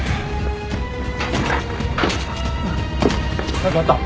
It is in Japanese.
何かあった？